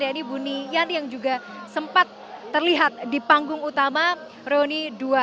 yaitu buni yani yang juga sempat terlihat di panggung utama reuni dua ratus dua belas